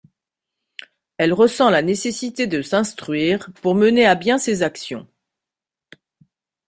Elle ressent la nécessité de s’instruire pour mener à bien ses actions.